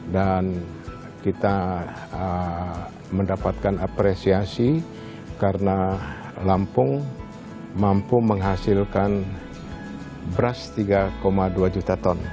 kita mendapatkan apresiasi karena lampung mampu menghasilkan beras tiga dua juta ton